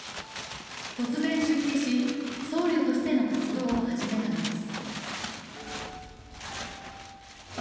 突然、出家し、僧侶としての活動を始めたのです。